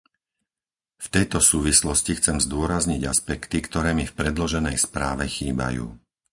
V tejto súvislosti chcem zdôrazniť aspekty, ktoré mi v predloženej správe chýbajú.